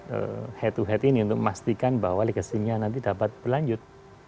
jadi saya lebih menguntungkan head to head ini untuk memastikan bahwa legasinya nanti dapat berlanjut